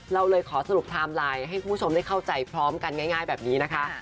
เราเลยขอสรุปไทม์ไลน์ให้คุณผู้ชมได้เข้าใจพร้อมกันง่ายแบบนี้นะคะ